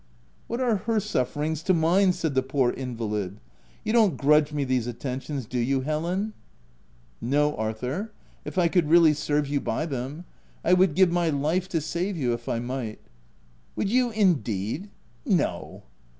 " What are her sufferings to mine ?" said the poor invalid. " You don't grudge me these at tentions, do you, Helen ?"" No, Arthur, if I could really serve you by OF WILDFELL HALL. 241 them. I would give my life to save you, if I might." " Would you indeed?— No